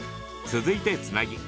続いて、つなぎ。